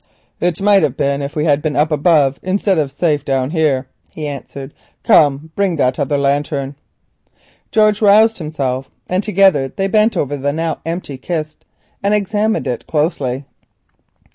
"It might have been if we had been up above instead of safe down here," he answered. "Come, bring that other lantern." George roused himself, and together they bent over the now empty kist, examining it closely.